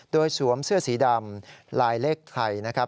โดยสวมเสื้อสีดำลายเลขไทยนะครับ